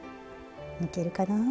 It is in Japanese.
抜けるかな。